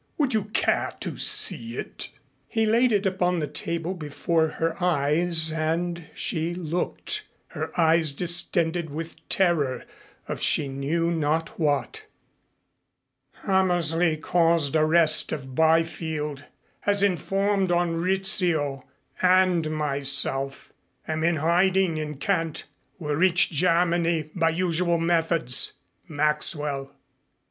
Would you care to see it?" He laid it upon the table before her eyes and she looked, her eyes distended with terror of she knew now what. Hammersley caused arrest of Byfield. Has informed on Rizzio and myself. Am in hiding in Kent. Will reach Germany by usual methods. MAXWELL.